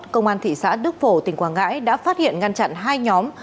công an thị xã đức phổ tỉnh quảng ngãi đã phát hiện ngăn chặn hai nhóm